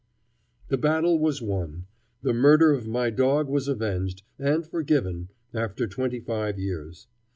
The battle was won. The murder of my dog was avenged, and forgiven, after twenty five years.